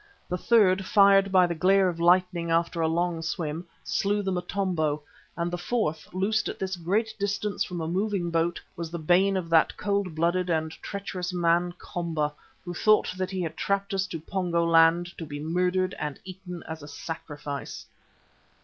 The third, fired by the glare of lightning after a long swim, slew the Motombo, and the fourth, loosed at this great distance from a moving boat, was the bane of that cold blooded and treacherous man, Komba, who thought that he had trapped us to Pongo land to be murdered and eaten as a sacrifice.